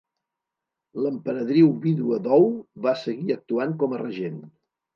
L'Emperadriu vídua Dou va seguir actuant com a regent.